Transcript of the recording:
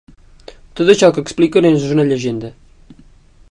Tot això que expliquen és una llegenda.